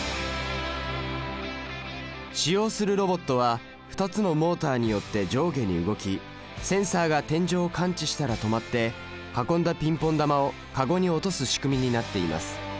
使用するロボットは２つのモータによって上下に動きセンサが天井を感知したら止まって運んだピンポン球を籠に落とす仕組みになっています。